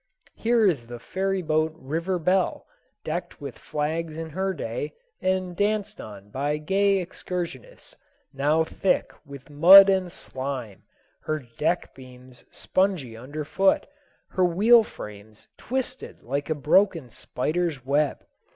Here is the ferry boat River Bell, decked with flags in her day, and danced on by gay excursionists, now thick with mud and slime, her deck beams spongy under foot, her wheel frames twisted like a broken spider's web.